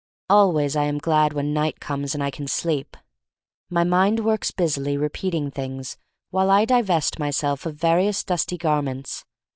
Always I am glad when night comes and I can sleep. My mind works busily repeating things while I divest myself of my various dusty garments.